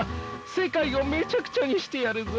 世界をめちゃくちゃにしてやるぞ！